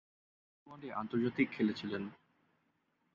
তিনি দুটি ওয়ানডে আন্তর্জাতিক খেলেছিলেন।